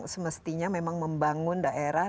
semestinya memang membangun daerah